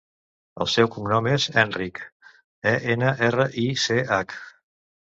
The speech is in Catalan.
El seu cognom és Enrich: e, ena, erra, i, ce, hac.